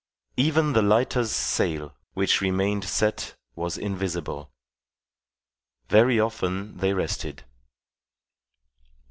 Even the lighter's sail, which remained set, was invisible. Very often they rested.